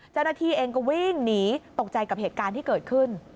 เจ้าหน้าที่เองก็วิ่งหนีตกใจกับเหตุการณ์ที่เกิดขึ้น